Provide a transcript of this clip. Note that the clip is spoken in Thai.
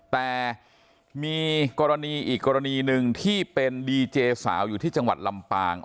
แต่มีกรณีอีกกรณีหนึ่งที่เป็นดีเจสาวอยู่ที่จังหวัดลำปาง